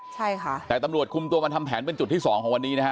ใช่ค่ะแต่ตำรวจคุมตัวมาทำแผนเป็นจุดที่สองของวันนี้นะฮะ